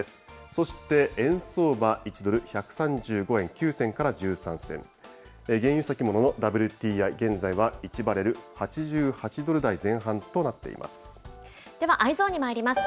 そして、円相場、１ドル１３５円９銭から１３銭、原油先物のＷＴＩ、現在は１バレル８８ドではＥｙｅｓｏｎにまいります。